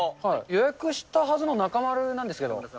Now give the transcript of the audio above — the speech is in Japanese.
予約したはずの中丸なんですけど。